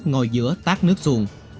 ngồi giữa tác nước xuồng